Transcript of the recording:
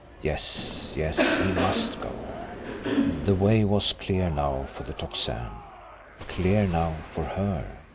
Yes, yes, he must go! The way was clear now for the Tocsin clear now for her!